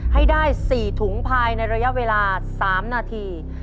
ให้ได้๔ถุงภายในระยะเวลา๓นาที